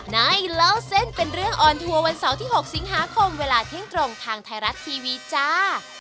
เล่าเส้นเป็นเรื่องออนทัวร์วันเสาร์ที่๖สิงหาคมเวลาเที่ยงตรงทางไทยรัฐทีวีจ้า